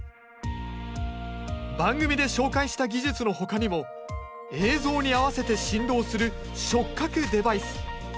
番組で紹介した技術の他にも映像に合わせて振動する触覚デバイス